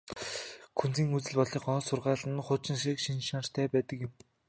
Күнзийн үзэл бодлын гол сургаал нь хуучинсаг шинж чанартай байдаг юм.